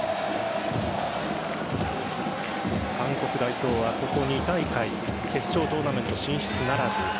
韓国代表は、ここ２大会決勝トーナメント進出ならず。